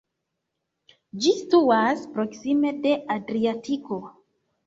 Ĝi situas proksime de Adriatiko.